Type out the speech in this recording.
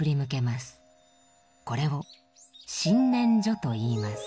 これを身念処といいます。